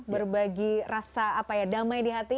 berbagi rasa damai di hati